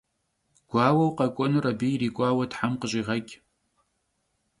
Guaueu khek'uenur abı yirik'uaue them khış'iğeç'!